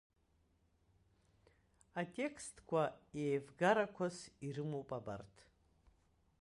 Атекстқәа еивгарақәас ирымоуп абарҭ.